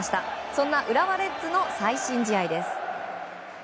そんな浦和レッズの最新試合です。